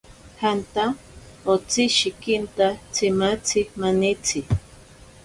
Janta otsishikinta tsimatzi manitsi.